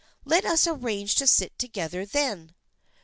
Let us arrange to sit together then."